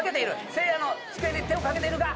せいやの机に手を掛けているが。